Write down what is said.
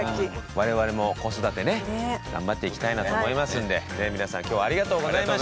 我々も子育てね頑張っていきたいなと思いますんで皆さん今日はありがとうございました。